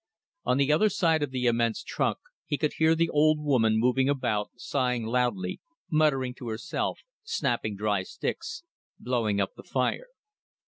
On the other side of the immense trunk he could hear the old woman moving about, sighing loudly, muttering to herself, snapping dry sticks, blowing up the fire.